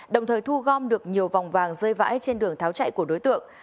đồng thời thu gom được nhiều vòng vàng rơi vãi trên đường tháo chạy của đối tượng